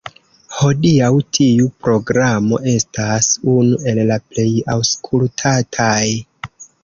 Hodiaŭ tiu programo estas unu el la plej aŭskultataj.